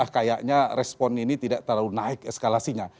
kayaknya respon ini tidak terlalu naik eskalasinya